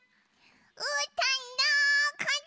うーたんどこだ？